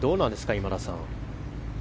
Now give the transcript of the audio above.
今田さん。